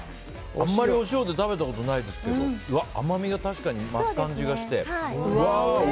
あまりお塩で食べたことないですけど甘みが確かに増す感じがします。